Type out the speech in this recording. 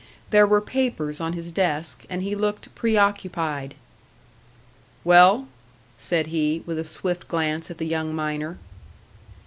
There were papers on his desk, and he looked preoccupied. "Well?" said he, with a swift glance at the young miner.